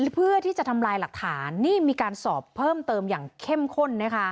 เพื่อที่จะทำลายหลักฐานนี่มีการสอบเพิ่มเติมอย่างเข้มข้น